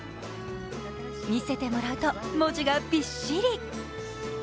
見せてもらうと、文字がびっしり。